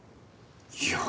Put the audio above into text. いや。